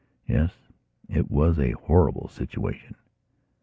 Yes, it was a horrible situation.